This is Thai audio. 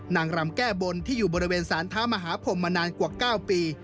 นางรำแก้บนที่อยู่บริเวณสารเท้ามหาพรมมานานกว่า๙ปี